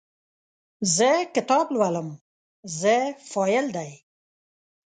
زه کتاب لولم – "زه" فاعل دی.